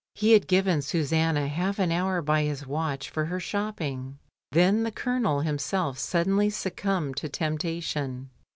He had given Susanna half an hour by his watch for her shopping. Then the Colonel himself suddenly succumbed to temptation.